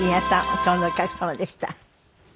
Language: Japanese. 今日のお客様でした。